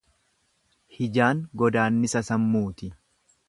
Hijaan godaannisa sammuuti.